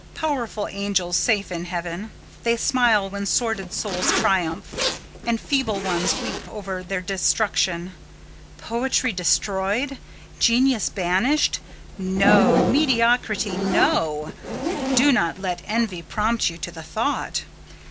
Powerful angels, safe in heaven! they smile when sordid souls triumph, and feeble ones weep over their destruction. Poetry destroyed? Genius banished? No! Mediocrity, no: do not let envy prompt you to the thought.